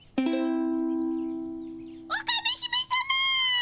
オカメ姫さま！